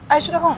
ayo sudah kok